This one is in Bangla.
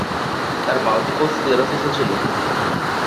তার মাল্টিপল স্ক্লেরোসিসও ছিল।